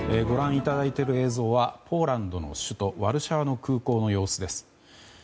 ご覧いただいている映像はポーランドの首都ワルシャワの空港の映像です。